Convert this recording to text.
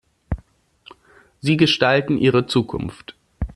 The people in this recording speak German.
Sie gestalten ihre Zukunft.